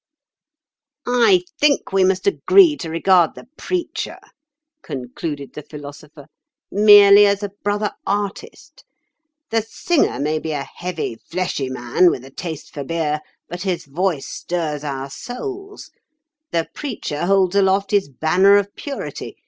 '" "I think we must agree to regard the preacher," concluded the Philosopher, "merely as a brother artist. The singer may be a heavy, fleshy man with a taste for beer, but his voice stirs our souls. The preacher holds aloft his banner of purity.